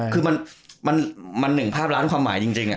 คือมันหนึ่งภาพล้านความหมายจริง